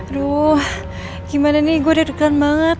aduh gimana nih gue udah dukan banget